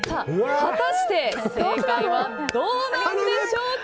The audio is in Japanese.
果たして正解はどうなんでしょうか。